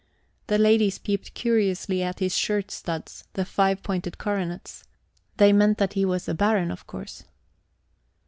The ladies peeped curiously at his shirt studs, the five pointed coronets they meant that he was a Baron, of course.